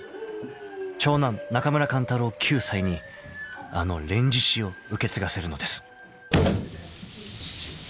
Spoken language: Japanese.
［長男中村勘太郎９歳にあの『連獅子』を受け継がせるのです］